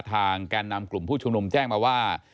แกนนำกลุ่มผู้ชุมนุมแจ้งมาว่า